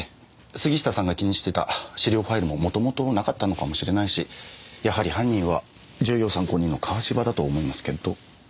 杉下さんが気にしていた資料ファイルも元々なかったのかもしれないしやはり犯人は重要参考人の川芝だと思いますけど。